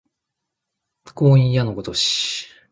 光陰矢のごとし